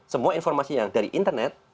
semua informasi yang dari internet